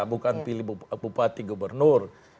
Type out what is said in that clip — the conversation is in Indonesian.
bukan pilih bupati gubernur